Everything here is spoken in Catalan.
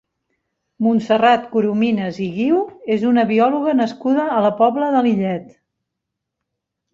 Montserrat Corominas i Guiu és una biòloga nascuda a la Pobla de Lillet.